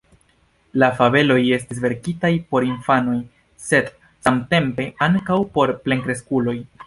La fabeloj estis verkitaj por infanoj, sed samtempe ankaŭ por plenkreskuloj.